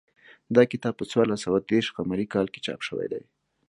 دا کتاب په څوارلس سوه دېرش قمري کال کې چاپ شوی دی